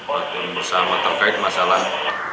dan bersama terkait masalah